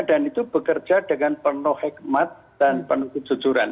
dan itu bekerja dengan penuh hikmat dan penuh kejujuran